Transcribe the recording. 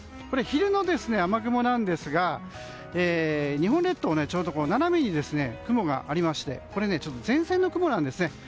これは昼の雨雲なんですが日本列島のちょうど斜めに雲がありましてこれは前線の雲なんですね。